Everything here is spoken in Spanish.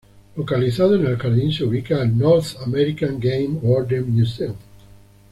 Localizado en el jardín se ubica el "North American Game Warden Museum".